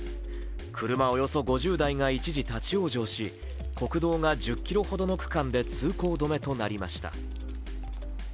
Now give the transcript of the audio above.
車およそ５０台が一時立往生し、国道が１０ｋｍほどの区間で通行止めとなりました。